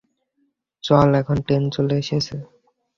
চল এখন, ট্রেন চলে এসেছে।